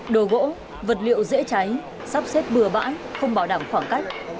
đồ gỗ vật liệu dễ cháy sắp xếp bừa bãi không bảo đảm khoảng cách